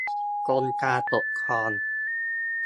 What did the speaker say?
กรมการปกครอง